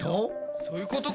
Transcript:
そういうことか！